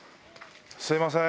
すみません。